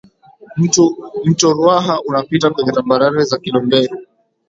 mto ruaha unapita kwenye tambarare za kilombero